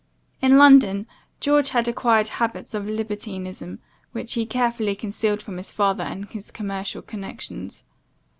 In London, George had acquired habits of libertinism, which he carefully concealed from his father and his commercial connections.